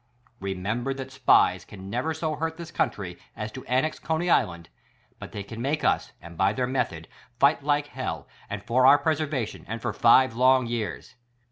Remember that Spies can never so hurt this country as to annex Coney Island, but they can make us, and by their method, fight like hell and for our preservation, and for five long years!